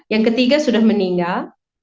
yang ketiga sudah meninggal